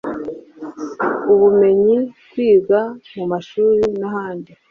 Ubumenyi bwigwa mu mashuri n’ahandi